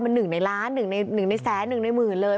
มัน๑ในล้าน๑ในแสน๑ในหมื่นเลย